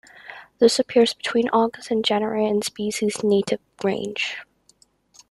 This appears between August and January in the species' native range.